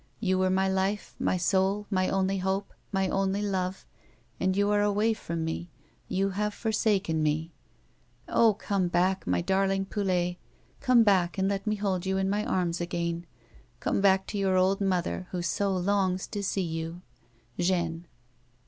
You were my life, my soul, my only hope, my only love, and you are away from me, you have forsaken me. " Oh ! come back, my darling Poulet, come back, and let me hold you in my arms again ; come back to your old mother who so longs to see you. Jeanne."